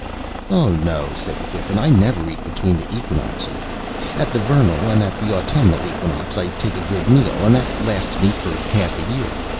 "Oh, no," said the Griffin, "I never eat between the equinoxes. At the vernal and at the autumnal equinox I take a good meal, and that lasts me for half a year.